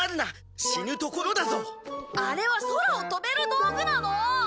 あれは空を飛べる道具なの！